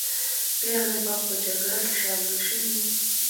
پېغلې به په جګړه کې شاملې سوې وي.